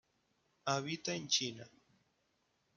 Habita en China.